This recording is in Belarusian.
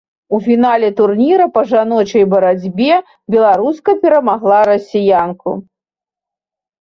У фінале турніра па жаночай барацьбе беларуска перамагла расіянку.